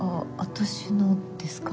私のですか？